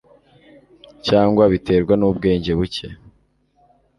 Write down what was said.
cyangwa biterwa n'ubwenge buke